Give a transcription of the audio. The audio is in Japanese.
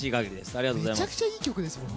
めちゃくちゃいい曲ですよね。